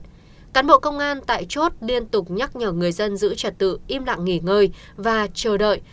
các cán bộ công an tại chốt liên tục nhắc nhở người dân giữ trật tự im lặng nghỉ ngơi và chờ đợi